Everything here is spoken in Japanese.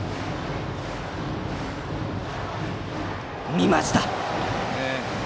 見ました。